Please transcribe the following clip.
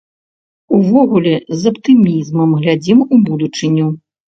Увогуле, з аптымізмам глядзім у будучыню.